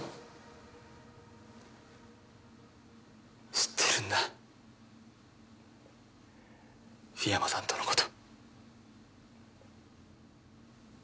知ってるんだ桧山さんとのこと。